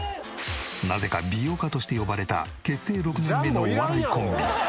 なぜか美容家として呼ばれた結成６年目のお笑いコンビレインボー。